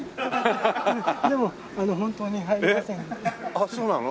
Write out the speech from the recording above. あっそうなの？